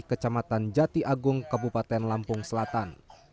kecamatan jati agung kabupaten lampung selatan